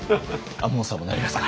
亞門さんもなりますか？